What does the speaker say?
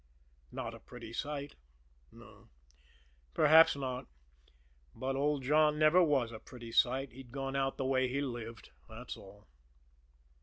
Not a pretty sight? No perhaps not. But old John never was a pretty sight. He'd gone out the way he'd lived that's all.